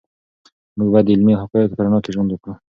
موږ باید د علمي حقایقو په رڼا کې ژوند وکړو.